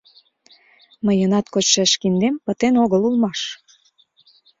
Мыйынат кочшаш киндем пытен огыл улмаш.